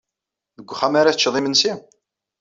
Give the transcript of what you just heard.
Deg uxxam ara teččed imensi?